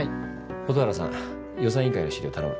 蛍原さん予算委員会の資料頼む。